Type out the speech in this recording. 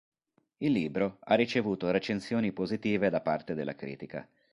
Il libro ha ricevuto recensioni positive da parte della critica.